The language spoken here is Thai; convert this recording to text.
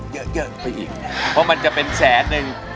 เยอะเกินไปอีกเพราะมันจะเป็นแสนนึง